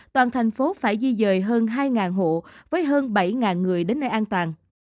toàn thành phố phải di dời hơn hai hộ với hơn bảy người đến nơi an toàn